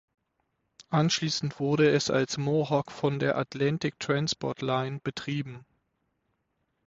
Anschließend wurde es als "Mohawk" von der Atlantic Transport Line betrieben.